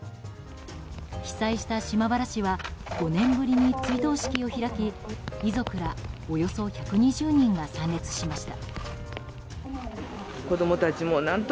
被災した島原市は５年ぶりに追悼式を開き遺族らおよそ１２０人が参列しました。